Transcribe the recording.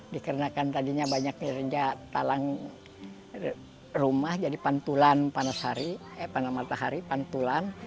dikarenakan tadinya banyak kerja talang rumah jadi pantulan panas hari panas matahari pantulan